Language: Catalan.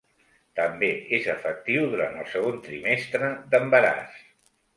També és efectiu durant el segon trimestre d'embaràs.